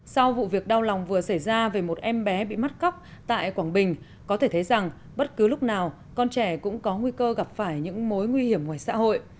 sau vụ việc đau lòng vừa xảy ra về một em bé bị bắt cóc tại quảng bình có thể thấy rằng bất cứ lúc nào con trẻ cũng có nguy cơ gặp phải những mối nguy hiểm ngoài xã hội